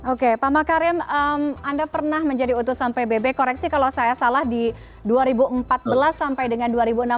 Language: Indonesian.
oke pak makarim anda pernah menjadi utusan pbb koreksi kalau saya salah di dua ribu empat belas sampai dengan dua ribu enam belas